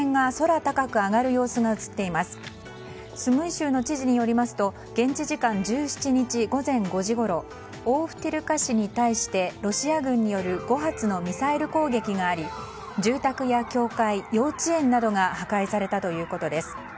州の知事によりますと現地時間１７日午前５時ごろオーフティルカ市に対してロシア軍による５発のミサイル攻撃があり住宅や教会幼稚園などが破壊されたということです。